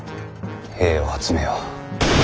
兵を集めよ。